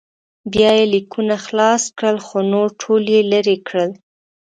بیا یې لیکونه خلاص کړل خو نور ټول یې لرې کړل.